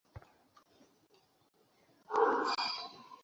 সে বলেছিল, সায়েদ তাকে পাঠিয়েছে।